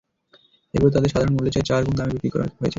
এগুলো তাদের সাধারণ মূল্যের চেয়ে চার গুণ দামে বিক্রি করা হয়েছে।